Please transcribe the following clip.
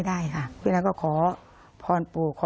พระพุทธคือพระพุทธคือ